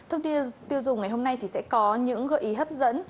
thông tin tiêu dùng ngày hôm nay sẽ có những gợi ý hấp dẫn